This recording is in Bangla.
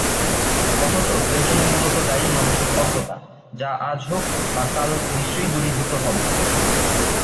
অথচ এর জন্য মুলত দায়ী মানুষের অজ্ঞতা, যা আজ হোক বা কাল নিশ্চয়ই দূরীভূত হবে।